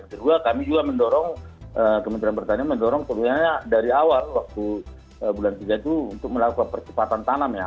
kedua kami juga mendorong kementerian pertanian mendorong sebenarnya dari awal waktu bulan tiga itu untuk melakukan percepatan tanam ya